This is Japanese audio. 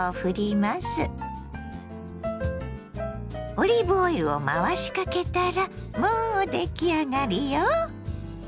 オリーブオイルを回しかけたらもう出来上がりよ。